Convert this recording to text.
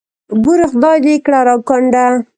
بورې خدای دې کړه را کونډه.